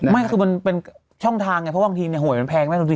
ไม่คือมันเป็นช่องทางไงเพราะบางทีหวยมันแพงแน่สมมุติ